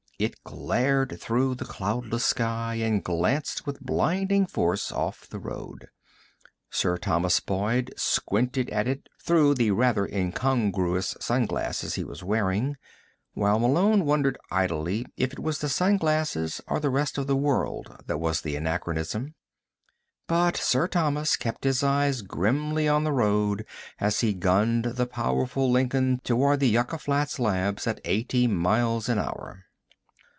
It glared through the cloudless sky and glanced with blinding force off the road. Sir Thomas Boyd squinted at it through the rather incongruous sunglasses he was wearing, while Malone wondered idly if it was the sunglasses, or the rest of the world, that was an anachronism. But Sir Thomas kept his eyes grimly on the road as he gunned the powerful Lincoln toward the Yucca Flats Labs at eighty miles an hour.